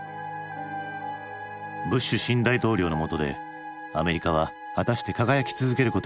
ブッシュ新大統領のもとでアメリカは果たして輝き続けることができるのか？